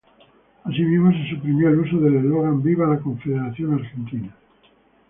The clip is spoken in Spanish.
Asimismo, se suprimió el uso del eslogan ""¡Viva la Confederación Argentina!